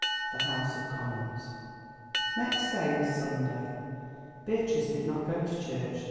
THE HOUSE OF COMMONS Next day was Sunday. Beatrice did not go to church.